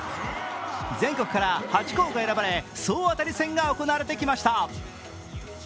全国から８校が選ばれ総当たり戦が行われてきました。